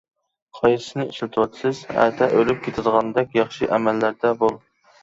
قايسىسىنى ئىشلىتىۋاتىسىز؟ ئەتە ئۆلۈپ كېتىدىغاندەك ياخشى ئەمەللەردە بول.